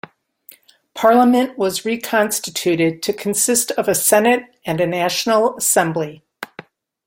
Parliament was reconstituted to consist of a Senate and a National Assembly.